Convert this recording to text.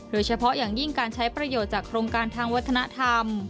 โดยเฉพาะอย่างยิ่งการใช้ประโยชน์จากโครงการทางวัฒนธรรม